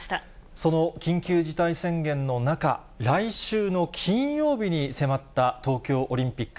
その緊急事態宣言の中、来週の金曜日に迫った東京オリンピック。